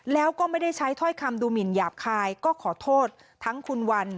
แล้วก็ไม่ได้ใช้ถ้อยคำดูหมินหยาบคายก็ขอโทษทั้งคุณวัน